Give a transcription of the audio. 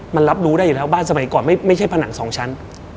มันรับรู้ได้อยู่แล้วบ้านสมัยก่อนไม่ใช่ผนังสองชั้น